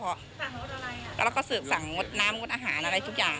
แล้วเราก็สืบสั่งงดน้ำงดอาหารอะไรทุกอย่าง